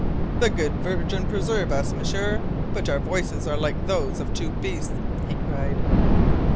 "The Good Virgin preserve us, M'sieur, but our voices are like those of two beasts," he cried.